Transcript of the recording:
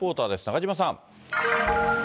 中島さん。